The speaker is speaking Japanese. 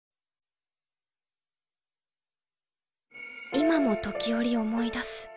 今も時折思い出す。